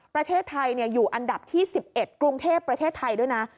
ประเทศไทยอยู่อันดับที่๑๑กรุงเทพประเทศไทยด้วยนะ